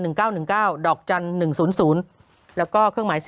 โหยวายโหยวายโหยวาย